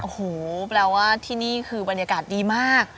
โอ้โหแปลว่าที่นี่คือบรรยากาศดีมาก